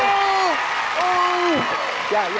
ตอบถูค่ะนะคะ